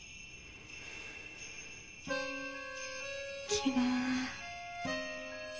きれい。